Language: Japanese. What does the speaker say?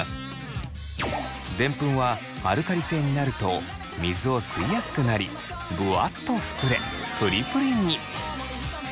デンプンはアルカリ性になると水を吸いやすくなりぶわっと膨れプリプリに。